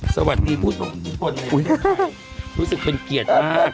สวัสดีผู้ทรงอิทธิพลรู้สึกเป็นเกียรติมาก